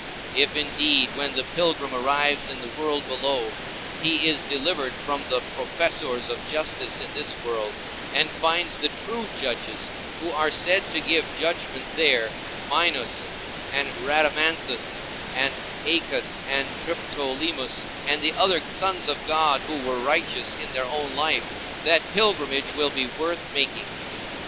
If indeed when the pilgrim arrives in the world below, he is delivered from the professors of justice in this world, and finds the true judges who are said to give judgment there, Minos and Rhadamanthus and Æacus and Triptolemus, and other sons of God who were righteous in their own life, that pilgrimage will be worth making.